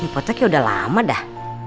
potnya kayak udah lama dah